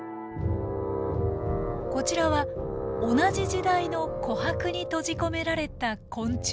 こちらは同じ時代の琥珀に閉じ込められた昆虫。